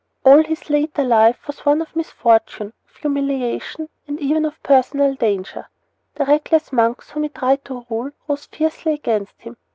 All his later life was one of misfortune, of humiliation, and even of personal danger. The reckless monks whom he tried to rule rose fiercely against him.